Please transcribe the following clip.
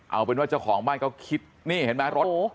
เอาเป็นว่าเจ้าของบ้านก็คิดนี่เห็นไหมรถ